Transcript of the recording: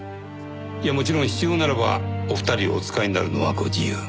いやもちろん必要ならばお二人をお使いになるのはご自由。